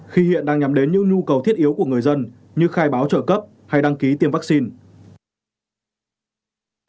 khi hiện đang nhắm đến những nhu cầu thiết yếu của người dân như khai báo trợ cấp hay đăng ký tiêm vaccine